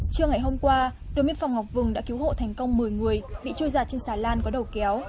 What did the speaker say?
trưa ngày hôm qua đối miệng phòng ngọc vừng đã cứu hộ thành công một mươi người bị trôi giả trên xà lan có đầu kéo